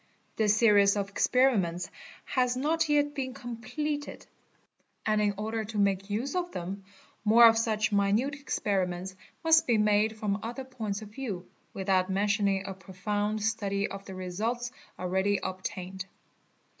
This series of experiments has not yet been completed, and in order to make use of them, more of such minute experiments must be made from other points of view, without mention — ing a profound study of the results already obtained.